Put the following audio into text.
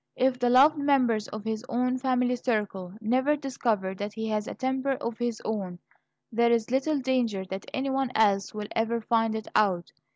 If the loved members of his own family circle never discover that he has a "temper of his own," there is little danger that any one else will ever find it out.